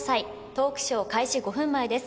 トークショー開始５分前です。